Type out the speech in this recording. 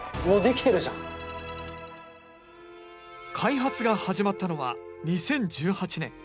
開発が始まったのは２０１８年。